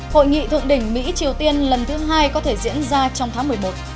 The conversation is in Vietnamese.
hội nghị thượng đỉnh mỹ triều tiên lần thứ hai có thể diễn ra trong tháng một mươi một